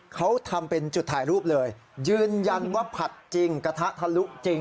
เขาทำเป็นจุดถ่ายรูปเลยยืนยันว่าผัดจริงกระทะทะลุจริง